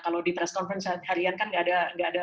kalau di press conference harian kan nggak ada